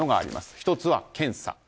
１つは検査。